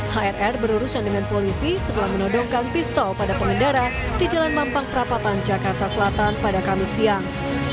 hr berurusan dengan polisi setelah menodongkan pistol pada pengendara di jalan mampang perapatan jakarta selatan pada kamis siang